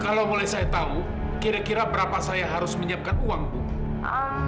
kalau mulai saya tahu kira kira berapa saya harus menyiapkan uang bu